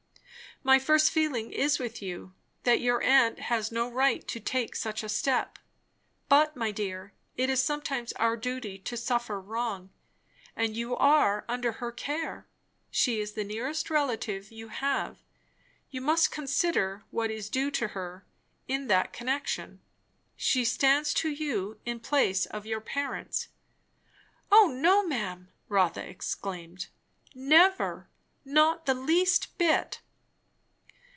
My first feeling is with you, that your aunt has no right to take such a step; but, my dear, it is sometimes our duty to suffer wrong. And you are under her care; she is the nearest relative you have; you must consider what is due to her in that connection. She stands to you in the place of your parents " "O no, ma'am!" Rotha exclaimed. "Never! Not the least bit."